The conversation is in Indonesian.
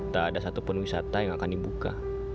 tak ada satu penwisata yang akan dibuka